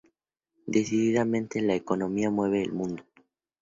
Decididamente la economía mueve el mundo.